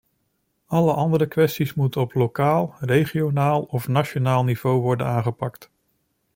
Alle andere kwesties moeten op lokaal, regionaal of nationaal niveau worden aangepakt.